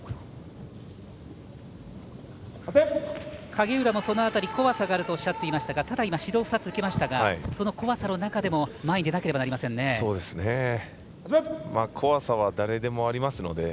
影浦もその辺り、怖さがあるとおっしゃっていましたがただ、今、指導２つ受けましたがその怖さの中でも怖さは誰でもありますので。